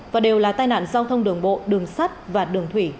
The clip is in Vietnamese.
và đều là tai nạn giao thông đường bộ đường sắt và đường thủy